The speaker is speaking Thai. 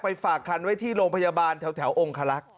ฝากคันไว้ที่โรงพยาบาลแถวองคลักษณ